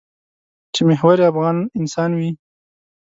چې محور یې افغان انسان وي.